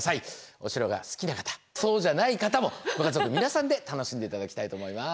お城が好きな方そうじゃない方もご家族皆さんで楽しんで頂きたいと思います。